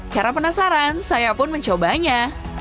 karena penasaran saya pun mencobanya